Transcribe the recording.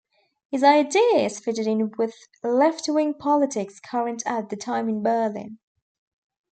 His ideas fitted in with left-wing politics current at the time in Berlin.